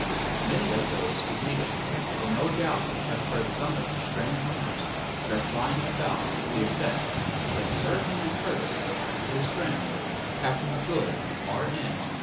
Many of those who read it will no doubt have heard some of the strange rumours that are flying about to the effect that Sir Henry Curtis and his friend Captain Good, R.N.